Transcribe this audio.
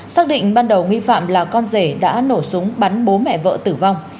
xác định ban đầu nghi phạm là con rể đã nổ súng bắn bố mẹ vợ tử vong